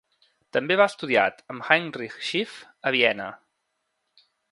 També va estudiat amb Heinrich Schiff a Vienna.